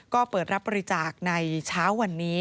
ก็เปิดรับบริจาคในเช้าวันนี้